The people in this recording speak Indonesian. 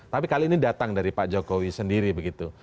tapi kali ini datang dari pak jokowi sendiri begitu